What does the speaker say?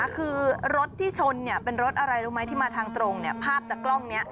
คือรถที่ชนเป็นรถอะไรรู้ไหมที่มาทางตรงภาพจากกล้องนี้